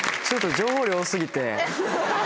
ちょっと情報量多過ぎて。